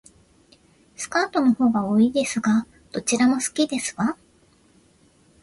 スカートの方が多いですが、どちらも好きですわ